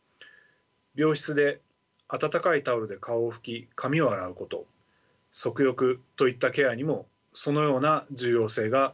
病室で温かいタオルで顔を拭き髪を洗うこと足浴といったケアにもそのような重要性があるでしょう。